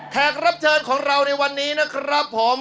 แขกรับเชิญของเราในวันนี้นะครับผม